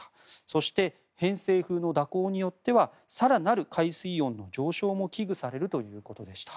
そして、偏西風の蛇行によっては更なる海水温の上昇も危惧されるということでした。